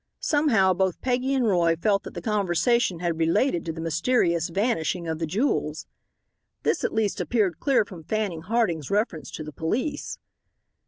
Somehow both Peggy and Roy felt that the conversation had related to the mysterious vanishing of the jewels. This at least appeared clear from Fanning Harding's reference to the police.